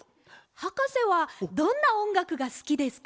はかせはどんなおんがくがすきですか？